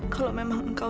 kalau memang engkau